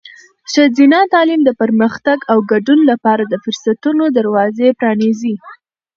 ښځینه تعلیم د پرمختګ او ګډون لپاره د فرصتونو دروازې پرانیزي.